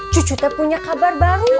cucu te punya kabar baru